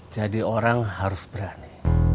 jadi orang harus berani